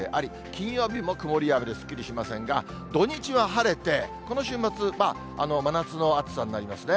金曜日も曇りや雨ですっきりしませんが、土日は晴れて、この週末、まあ、真夏の暑さになりますね。